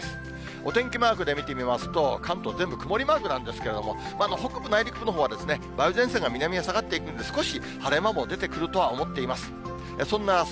お天気マークで見てみますと、関東全部曇りマークなんですけれども、北部、内陸部のほうは、梅雨前線が南へ下がっていくんで、少し晴れ間も出てくるとは思っています。